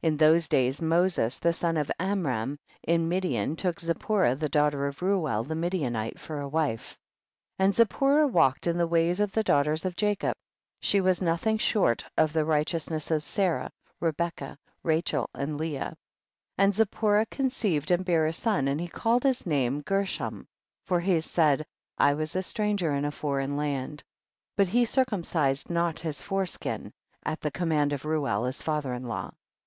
7. In those days Moses, the son of Amram, in Midian, took Zipporah, the daughter of Reuel the Midian ite, for a wife. 8. And Zipporah walked in the ways of the daugliters of Jacob, she was nothing short of the righteous ness of Sarah, Rebecca, Rachel and Leah. 9. And Zipporah conceived and bare a son and he called his name Gershom, for he said, I was a stran ger in a foreign land ; but he circum cised not his foreskin, at the com mand of Reuel his father in law.